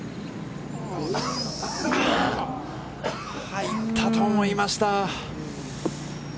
入ったと思いました。